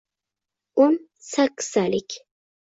- O‘n sakkiztalik